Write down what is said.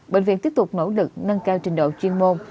bệnh viện tiếp tục nỗ lực nâng cao trình độ chuyên môn